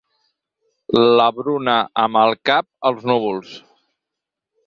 La Bruna amb el cap als núvols.